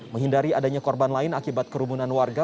menghindari adanya korban lain akibat kerumunan warga